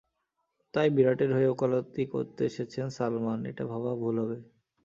তাই বিরাটের হয়ে ওকালতি করতে এসেছেন সালমান, এটা ভাবা ভুল হবে।